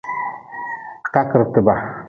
Kakretba.